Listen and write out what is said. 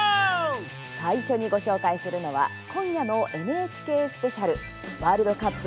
最初にご紹介するのは今夜のＮＨＫスペシャルワールドカップ